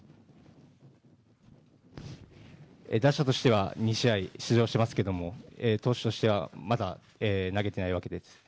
打者としては２試合出場してますけど、投手としてはまだ、投げてないわけです。